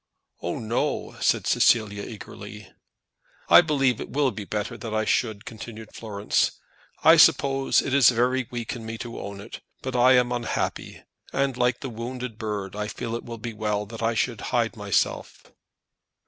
"Oh, no," said Cecilia, eagerly. "I believe it will be better that I should," continued Florence. "I suppose it is very weak in me to own it; but I am unhappy, and, like the wounded bird, I feel that it will be well that I should hide myself."